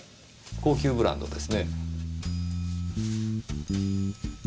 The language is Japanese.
高級ブランドですね。